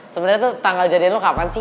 sebenarnya tuh tanggal jadian lo kapan sih